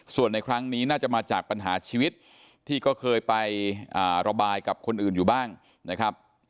ส่วนในครั้งนี้น่าจะมาจากปัญหาชีวิตที่ก็เคยไประบายกับคนอื่นอยู่บ้างนะครับ